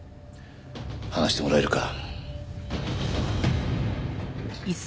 話してもらえるか？